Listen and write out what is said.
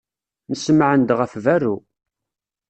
Nsemɛen-d ɣef berru.